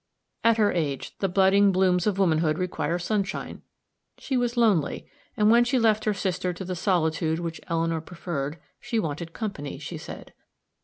At her age, the budding blooms of womanhood require sunshine. She was lonely, and when she left her sister to the solitude which Eleanor preferred, she wanted company, she said.